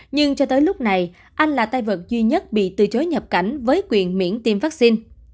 nhưng cho tới lúc này anh là tay vật duy nhất bị từ chối nhập cảnh với quyền miễn tiêm vaccine